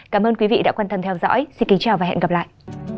cảm ơn các bạn đã theo dõi và hẹn gặp lại